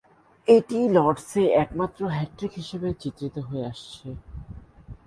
এটিই লর্ডসে একমাত্র হ্যাট্রিক হিসেবে চিত্রিত হয়ে আসছে।